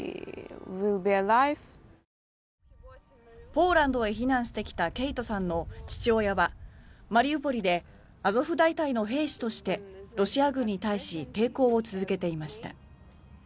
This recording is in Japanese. ポーランドへ避難してきたケイトさんの父親はマリウポリでアゾフ大隊の兵士としてロシア軍に対し抵抗を続けていました。